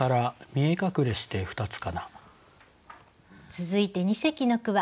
続いて二席の句は？